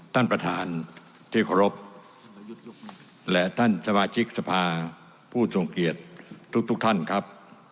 ท่านประธานที่เคารพและท่านสมาชิกสภาผู้ทรงเกียจทุกท่านครับ